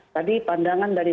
tadi pandangan dari